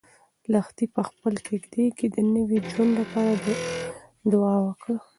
لښتې په خپلې کيږدۍ کې د نوي ژوند لپاره دعا وکړه.